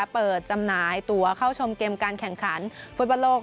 จำหน่ายตัวเข้าชมเกมการแข่งขันฟุตบอลโลก